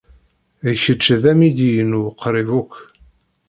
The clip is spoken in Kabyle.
D kečč ay d amidi-inu uqrib akk.